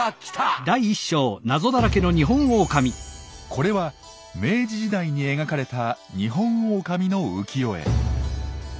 これは明治時代に描かれたニホンオオカミの浮世絵。